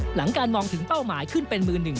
หลังการมองถึงเป้าหมายขึ้นเป็นมือหนึ่ง